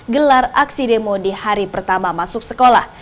gelar aksi demo di hari pertama masuk sekolah